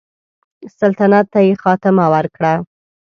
سلطنت ته یې خاتمه ورکړه.